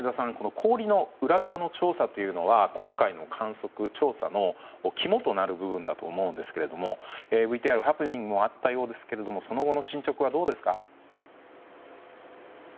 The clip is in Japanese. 氷の裏側の調査というのは今回の観測・調査の肝となる部分だと思うんですがＶＴＲではハプニングもあったようですがその後の進捗はどうですか？